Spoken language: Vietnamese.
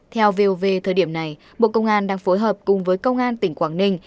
theo vov thời điểm này bộ công an đang phối hợp cùng với công an tỉnh quảng ninh